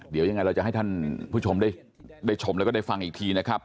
เดี๋ยวยังไงเราจะให้ท่านผู้ชมได้ชมแล้วก็ได้ฟังอีกทีนะครับ